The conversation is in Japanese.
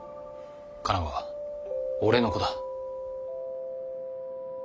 カナは俺の子だ。